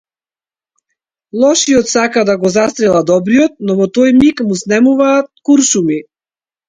Лошиот сака да го застрела добриот, но во тој миг му снемуваат куршуми.